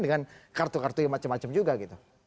dengan kartu kartu yang macam macam juga gitu